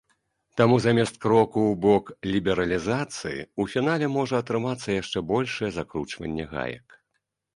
Таму замест кроку ў бок лібералізацыі ў фінале можа атрымацца яшчэ большае закручванне гаек.